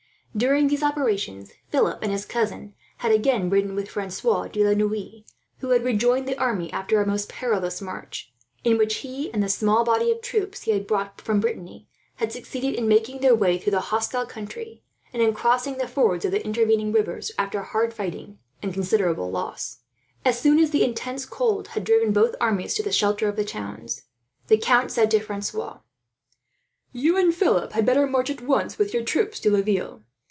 During these operations Philip and his cousin had again ridden with Francois de la Noue, who had rejoined the army after a most perilous march, in which he and the small body of troops he had brought from Brittany had succeeded in making their way through the hostile country, and in crossing the fords of the intervening rivers, after hard fighting and considerable loss. As soon as the intense cold had driven both armies to the shelter of the towns, the count said to Francois: "You and Philip had better march at once, with your troop, to Laville.